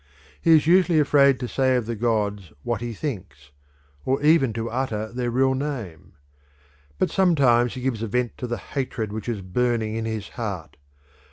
He is usually afraid to say of the gods what he thinks, or even to utter their real name. But sometimes he gives vent to the hatred which is burning in his heart.